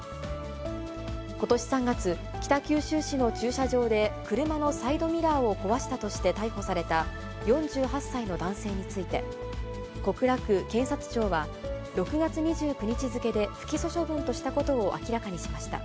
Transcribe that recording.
ことし３月、北九州市の駐車場で車のサイドミラーを壊したとして逮捕された４８歳の男性について、小倉区検察庁は、６月２９日付で不起訴処分としたことを明らかにしました。